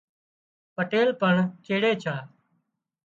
پٽيل پڻ چيڙي ڇا